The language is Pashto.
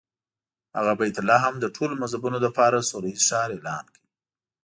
هغه بیت لحم د ټولو مذهبونو لپاره سوله ییز ښار اعلان کړ.